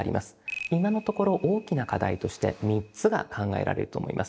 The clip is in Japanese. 今のところ大きな課題として３つが考えられると思います。